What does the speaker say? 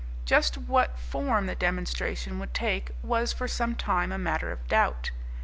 Just what form the demonstration would take was for some time a matter of doubt.